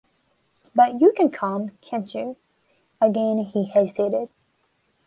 "But you can come, can't you? —" Again he hesitated.